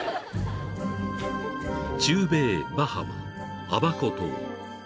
［中米バハマアバコ島］